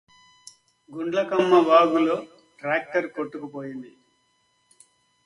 గుండ్లకమ్మ వాగులో ట్రాక్టర్ కొట్టుకుపోయింది